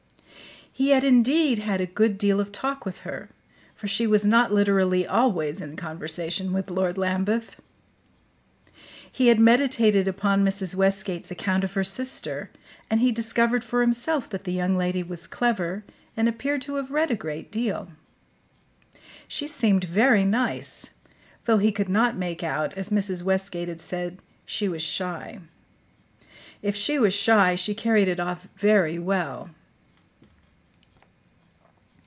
He had indeed had a good deal of talk with her, for she was not literally always in conversation with Lord Lambeth. He had meditated upon Mrs. Westgate's account of her sister, and he discovered for himself that the young lady was clever, and appeared to have read a great deal. She seemed very nice, though he could not make out, as Mrs. Westgate had said, she was shy. If she was shy, she carried it off very well.